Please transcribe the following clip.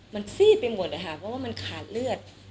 มันซีดไปหมดนะคะเพราะว่ามันขาดเลือด